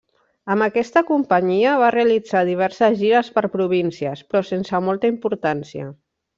Amb aquesta companyia va realitzar diverses gires per províncies, però sense molta importància.